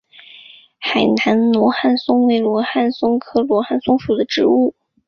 海南罗汉松为罗汉松科罗汉松属的植物。